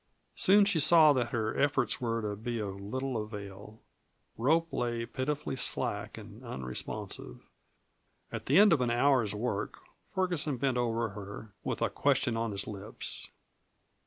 Soon she saw that her efforts were to be of little avail. Rope lay pitifully slack and unresponsive. At the end of an hour's work Ferguson bent over her with a question on his lips.